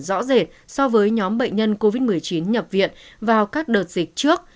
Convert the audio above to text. rõ rệt so với nhóm bệnh nhân covid một mươi chín nhập viện vào các đợt dịch trước